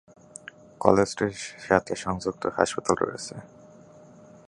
কলেজটির সাথে সংযুক্ত হাসপাতাল রয়েছে।